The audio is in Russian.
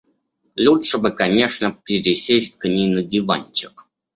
Лучше бы конечно пересесть к ней на диванчик.